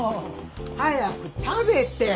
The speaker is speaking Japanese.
早く食べて！